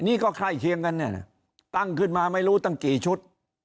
นี่ก็ใกล้เคียงกันเนี่ยนะตั้งขึ้นมาไม่รู้ตั้งกี่ชุด